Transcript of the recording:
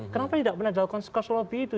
kenapa tidak pernah dilakukan lobby itu